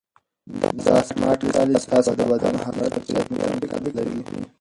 دا سمارټ کالي ستاسو د بدن حرارت د چاپیریال مطابق بدلوي.